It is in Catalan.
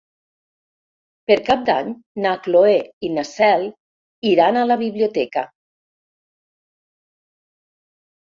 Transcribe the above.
Per Cap d'Any na Cloè i na Cel iran a la biblioteca.